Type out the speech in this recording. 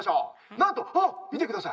なんとあっみてください。